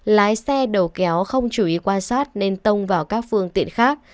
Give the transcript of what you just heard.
lái xe đầu kéo không chú ý quan sát nên tông vào các phương tiện khác